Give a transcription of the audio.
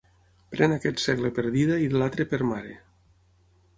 Pren aquest segle per dida i l'altre per mare.